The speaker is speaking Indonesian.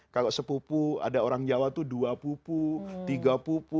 kalau sepupu ada orang jawa itu dua pupu tiga pupu